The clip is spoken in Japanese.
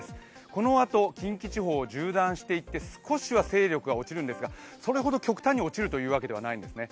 このあと近畿地方を縦断していって少しは勢力が落ちるんですが、それほど極端に落ちるというわけじゃないんですね。